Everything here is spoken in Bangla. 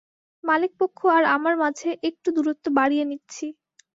মালিক পক্ষ আর আমার মাঝে একটু দুরত্ব বাড়িয়ে নিচ্ছি।